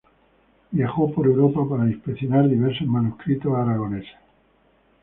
Viajó por Europa para inspeccionar diversos manuscritos aragoneses.